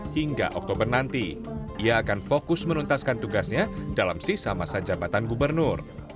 hingga oktober nanti ia akan fokus menuntaskan tugasnya dalam sisa masa jabatan gubernur